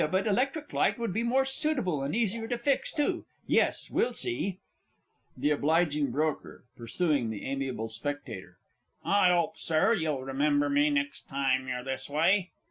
But electric light would be more suitable, and easier to fix too. Yes we'll see. THE OBL. BROKER (pursuing the AM. SPECT.). I 'ope, Sir, you'll remember me, next time you're this way.